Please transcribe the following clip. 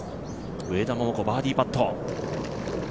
上田桃子、バーディーパット。